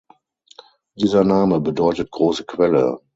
Dieser Name bedeutet „große Quelle“.